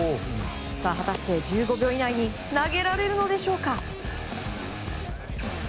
果たして１５秒以内に投げられるのでしょうか？